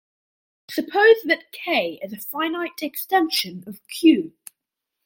Suppose that "K" is a finite extension of Q.